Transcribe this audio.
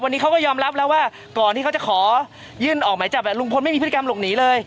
วันนี้เขาก็ยอมรับแล้วว่าก่อนที่เขาจะขอยื่นออกหมายจับลุงพลไม่มีพฤติกรรมหลบหนีเลย